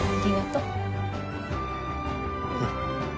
うん。